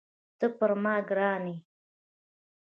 ته پر ما ګران یې.